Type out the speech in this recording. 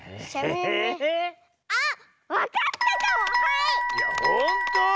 いやほんとう？